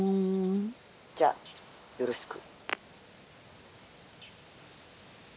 「じゃよろしく」。